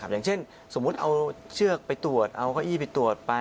อย่างเช่นสมมุติเอาเชือกไปตรวจเอาเก้าอี้ไปตรวจไป